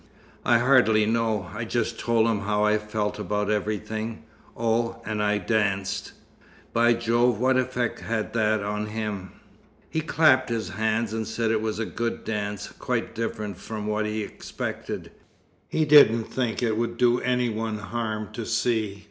"I hardly know. I just told him how I felt about everything. Oh, and I danced." "By Jove! What effect had that on him?" "He clapped his hands and said it was a good dance, quite different from what he expected. He didn't think it would do any one harm to see.